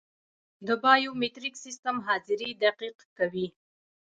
د بایومتریک سیستم حاضري دقیق کوي